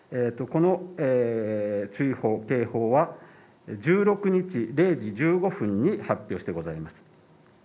この注意報警報は１６日０時１５分に発表してございます。